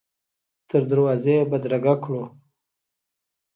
تر دروازې یې بدرګه کړو.